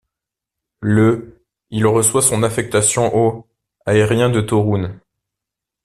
Le il reçoit son affectation au aérien de Toruń.